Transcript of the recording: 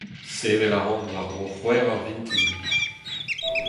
Sevel a ran war-dro c'hwec'h eur vintin.